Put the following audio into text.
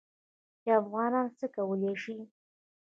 چې افغانان څه کولی شي.